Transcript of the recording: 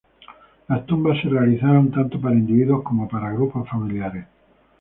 Las tumbas se realizaron tanto para individuos como para grupos familiares.